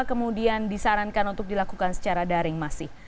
kemudian disarankan untuk dilakukan secara daring masih